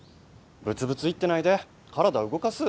ブツブツ言ってないで体動かす。